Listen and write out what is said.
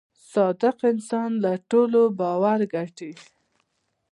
• صادق انسان د ټولو باور ګټي.